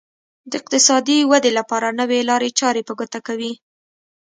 د اقتصادي ودې لپاره نوې لارې چارې په ګوته کوي.